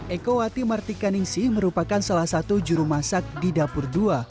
eko wati martika ningsi merupakan salah satu juru masak di dapur dua